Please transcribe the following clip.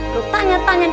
lu tanya tanya deh